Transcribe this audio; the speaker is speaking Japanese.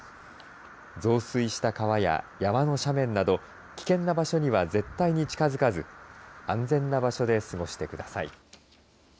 増水した川や山の斜面など危険な場所には絶対に近づかず安全な場所で過ごしてください。